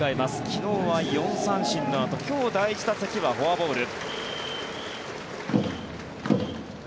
昨日は４三振のあと今日第１打席はフォアボール。